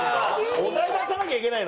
お題出さなきゃいけないの？